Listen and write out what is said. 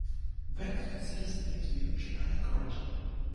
Beck considers the name to be of Germanic origin.